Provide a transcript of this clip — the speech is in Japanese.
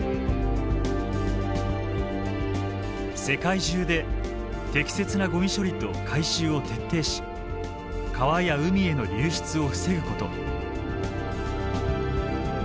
世界中で適切なゴミ処理と回収を徹底し川や海への流出を防ぐこと。